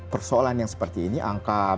persoalan yang seperti ini angka